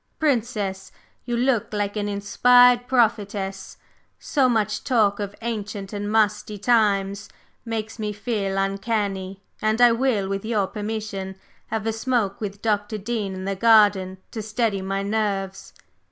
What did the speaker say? Princess, you look like an inspired prophetess! so much talk of ancient and musty times makes me feel uncanny, and I will, with your permission, have a smoke with Dr. Dean in the garden to steady my nerves.